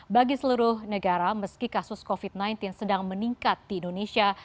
bagi seluruh negara meski kasus covid sembilan belas sedang meningkat di indonesia